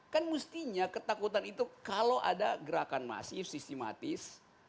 kan mestinya ketakutan itu kalau ada gerakan masif sistematis